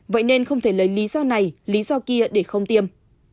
vậy nên không thể lấy lý do này lý do kia để không tiêm